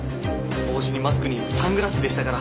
帽子にマスクにサングラスでしたから。